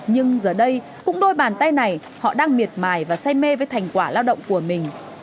nhưng giờ đây cũng đôi bàn tay này họ đang miệt mài và say mê với thành quả lao động của mình